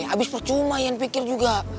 abis percuma ian pikir juga